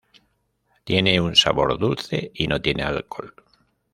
Tiene un sabor dulce y no tiene alcohol.